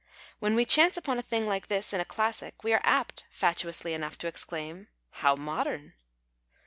When we chance upon a thing like this in a classic we are apt, fatuously enough, t(j exclaim, " IIow modern